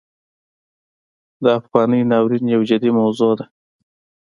د افغانۍ ناورین یو جدي موضوع ده.